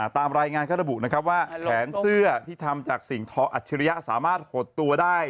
ตามรายงานเขาระบุนะครับว่าแขนเสื้อที่ทำจากสิ่งทออัจฉริยะสามารถหดตัวได้